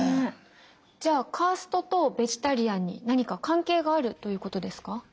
じゃあカーストとベジタリアンに何か関係があるということですか？